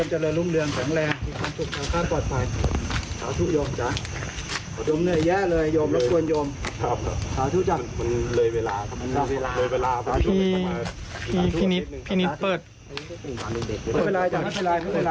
ไม่เป็นไรไม่เป็นไรไม่เป็นไรไม่เป็นไรไม่เป็นอะไร